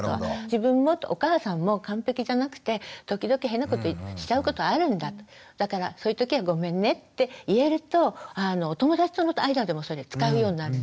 自分もお母さんも完璧じゃなくて時々変なことしちゃうことあるんだだからそういうときはごめんねって言えるとお友達との間でもそれ使うようになるんですよ。